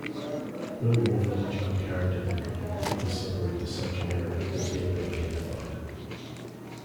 No morphological character that could uniquely separate the subgenera has yet been identified.